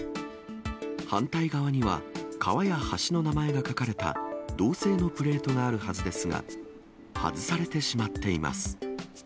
反対側には、川や橋の名前が書かれた銅製のプレートがあるはずですが、外されてしまっています。